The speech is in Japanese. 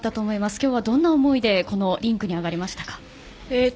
今日はどんな思いでこのリンクに上がりましたか？